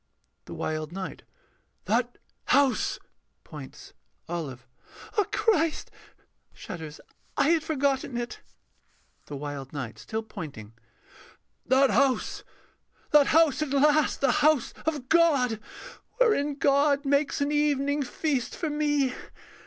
_] THE WILD KNIGHT. That house.... [Points.] OLIVE. Ah Christ! [Shudders.] I had forgotten it. THE WILD KNIGHT [still pointing]. That house! the house at last, the house of God, Wherein God makes an evening feast for me.